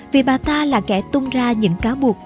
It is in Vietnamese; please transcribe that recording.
vì bà ta là kẻ tung ra những cáo buộc